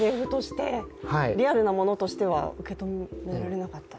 リアルなものとしては受け入れられなかった？